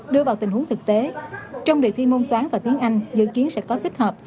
đưa vào tình huống thực tế trong đề thi môn toán và tiếng anh dự kiến sẽ có tích hợp